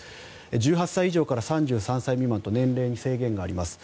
１８歳以上から３３歳未満と年齢に制限があります。